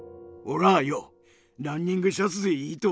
ランニングシャツでいいと思うべ。